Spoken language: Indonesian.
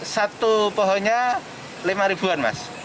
satu pohonnya lima ribuan mas